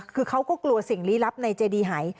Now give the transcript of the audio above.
คือเขาก็กลัวสิ่งลี้ลับในเจดีหาย